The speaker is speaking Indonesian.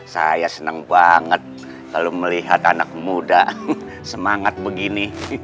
saya senang banget kalau melihat anak muda semangat begini